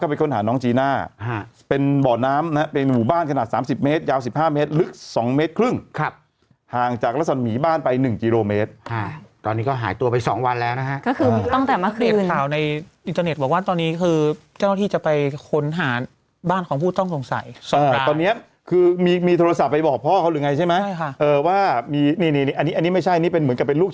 เข้าไปค้นหาน้องจีน่าเป็นบ่อน้ำนะฮะเป็นหมู่บ้านขนาดสามสิบเมตร